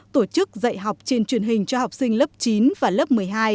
tổ chức dạy học trên truyền hình cho học sinh lớp chín và lớp một mươi hai